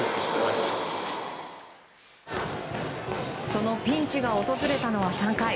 そのピンチが訪れたのは３回。